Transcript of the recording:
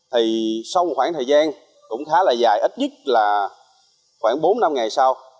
thì sau khoảng thời gian cũng khá là dài ít nhất là khoảng bốn năm ngày sau